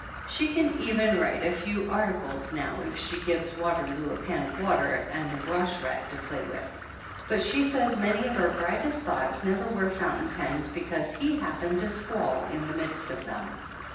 She can even write a few articles now if she gives Water loo a pan of water and a wash rag to play with, THE ANNALS OF ANN but she says many of her brightest thoughts never were fountain penned because he hap pened to squall in the midst of them.